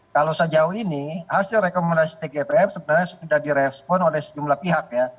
kalau sejauh ini hasil rekomendasi tgpf sebenarnya sudah direspon oleh sejumlah pihak ya